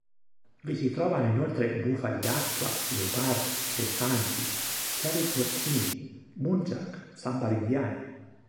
Vi si trovano inoltre bufali d'acqua, leopardi, elefanti, cervi porcini, muntjak, sambar indiani.